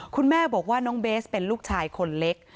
คุณแม่บอกว่าน้องเบสเป็นลูกชายคนเล็ก